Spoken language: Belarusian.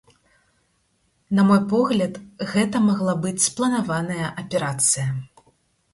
На мой погляд, гэта магла быць спланаваная аперацыя.